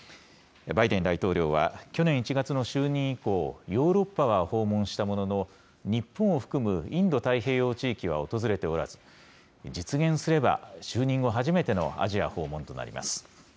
バイデン大統領は、去年１月の就任以降、ヨーロッパは訪問したものの、日本を含むインド太平洋地域は訪れておらず、実現すれば、就任後初めてのアジア訪問となります。